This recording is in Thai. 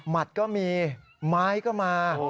มัดก็มีไม้ก็มา